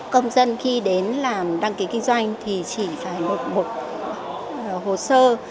công dân khi đến làm đăng ký kinh doanh thì chỉ phải nộp một hồ sơ